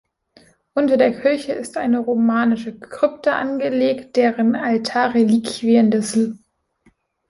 Unter der Kirche ist eine romanische Krypta angelegt, deren Altar Reliquien des hl.